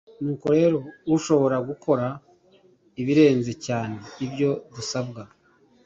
Nuko rero ushobora gukora ibirenze cyane ibyo dusabwa